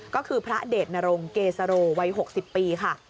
ก็คือพระเดชนรงเกษโรวัย๖๐ปีค่ะ